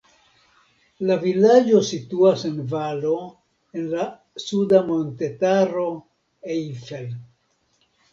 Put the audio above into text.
La vilaĝo situas en valo en la suda montetaro Eifel.